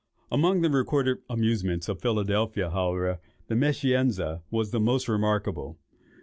Among the recorded amusements of Philadelphia, however, the "Meschianza" is the most remarkable.